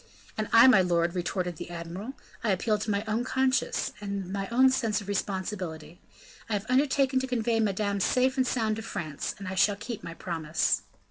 "And I, my lord," retorted the admiral, "I appeal to my own conscience, and to my own sense of responsibility. I have undertaken to convey Madame safe and sound to France, and I shall keep my promise."